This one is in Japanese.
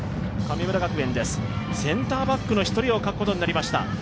神村学園です、センターバックの一人を欠くことになりました。